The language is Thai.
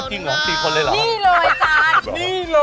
สี่คนเลยนะนี่เลยจ้าน